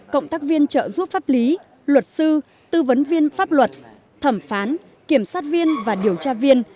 cộng tác viên trợ giúp pháp lý luật sư tư vấn viên pháp luật thẩm phán kiểm sát viên và điều tra viên